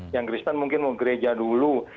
yang kristen mungkin mau gereja dulu